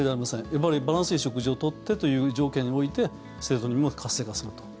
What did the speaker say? やっぱりバランスいい食事を取ってという条件においてセロトニンも活性化すると。